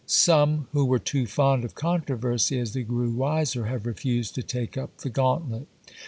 Some who were too fond of controversy, as they grew wiser, have refused to take up the gauntlet.